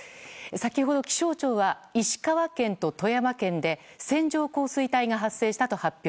先ほど気象庁は石川県と富山県で線状降水帯が発生したと発表。